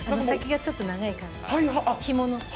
先がちょっと長い感じの、ひもの。